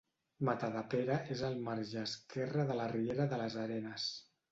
Matadepera és al marge esquerre de la riera de les Arenes.